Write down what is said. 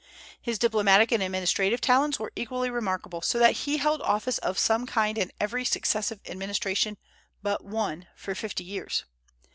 His diplomatic and administrative talents were equally remarkable, so that he held office of some kind in every successive administration but one for fifty years.